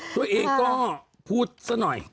ตัวเองก็พูดซะหน่อย